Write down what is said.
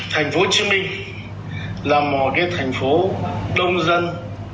thành phố hồ chí minh là một thành phố đông dân